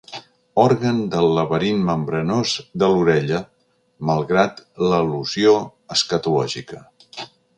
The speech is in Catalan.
Òrgan del laberint membranós de l'orella, malgrat l'al·lusió escatològica.